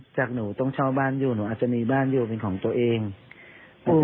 จากหนูต้องเช่าบ้านอยู่หนูอาจจะมีบ้านอยู่เป็นของตัวเองอืม